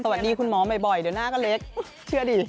สวัสดีคุณหมอบ่อยเดี๋ยวหน้าก็เล็กเชื่อดิ